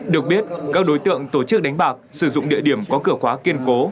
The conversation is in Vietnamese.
được biết các đối tượng tổ chức đánh bạc sử dụng địa điểm có cửa khóa kiên cố